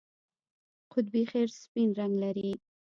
قطبي خرس سپین رنګ لري